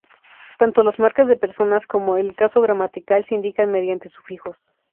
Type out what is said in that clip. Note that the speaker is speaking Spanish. Tanto las marcas de personas como el caso gramatical se indican mediante sufijos.